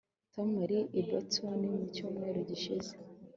tom yari i boston mu cyumweru gishize